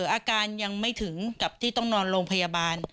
อาการยังไม่ถึงกับที่ต้องนอนโรงพยาบาล